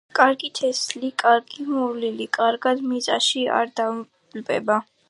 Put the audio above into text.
კარგი თესლი კარგი მოვლით კარგ მიწაში არ დალპება